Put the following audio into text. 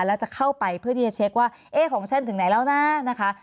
แล้วจะเข้าไปเพื่อที่จะเช็คว่าเอ๊ะของฉันถึงไหนแล้วนะนะคะ